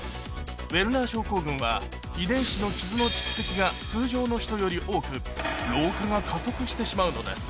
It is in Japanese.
ウェルナー症候群は遺伝子の傷の蓄積が通常の人より多く老化が加速してしまうのです